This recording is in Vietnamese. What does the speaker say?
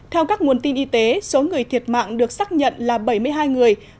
theo các nguồn tin y tế số người thiệt mạng được xác nhận là bảy mươi hai người